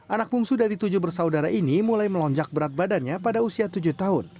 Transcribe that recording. anak bungsu dari tujuh bersaudara ini mulai melonjak berat badannya pada usia tujuh tahun